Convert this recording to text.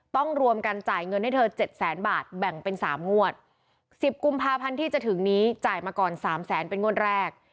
รวมกันจ่ายเงินให้เธอเจ็ดแสนบาทแบ่งเป็นสามงวดสิบกุมภาพันธ์ที่จะถึงนี้จ่ายมาก่อนสามแสนเป็นงวดแรก